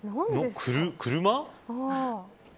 車。